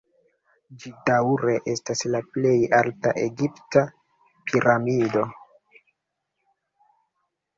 Ĝi daŭre estas la plej alta egipta piramido.